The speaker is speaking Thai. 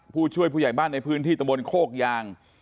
ผู้ช่วยผู้ใหญ่บ้านในพื้นที่ตะบนโคกยาง